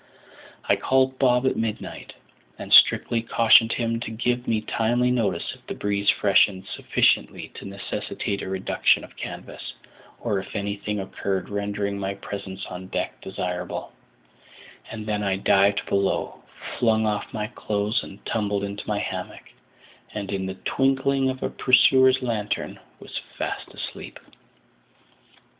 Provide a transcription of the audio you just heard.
I called Bob at midnight, and strictly cautioned him to give me timely notice if the breeze freshened sufficiently to necessitate a reduction of canvas, or if anything occurred rendering my presence on deck desirable; and then I dived below, flung off my clothes, and tumbled into my hammock, and "in the twinkling of a purser's lantern" was fast asleep.